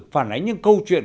phản ánh những câu chuyện